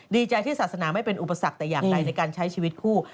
ดีใจที่ศาสนาไม่เป็นอุปสรรคแต่อย่างใดในการใช้ชีวิตคู่